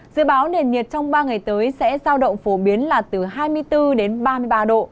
dự báo nền nhiệt trong ba ngày tới sẽ giao động phổ biến là từ hai mươi bốn đến ba mươi ba độ